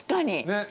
ねっ。